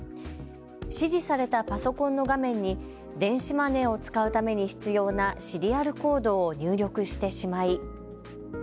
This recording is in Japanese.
指示されたパソコンの画面に電子マネーを使うために必要なシリアルコードを入力してしまい。